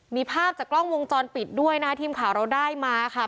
มีภาพจากกล้องวงจรปิดด้วยนะทีมข่าวเราได้มาค่ะ